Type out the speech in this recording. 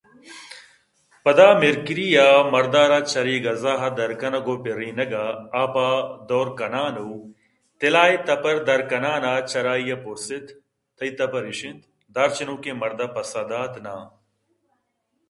پدا مِرکری ءَ مرد ءَ را چرے گزا ءَدرکنگ ءُ پرّینگ ءَ آپ ءَ دئور کنان ءُ طِلاہ ءِ تپرے درکنان ءَ چرآئی ءَپُرس اِت تئی تپر ایش اِنت؟ دار چِنوکیں مرد ءَ پسّہ دات نا